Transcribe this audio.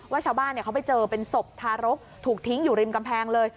ชาวบ้านเขาไปเจอเป็นศพทารกถูกทิ้งอยู่ริมกำแพงเลย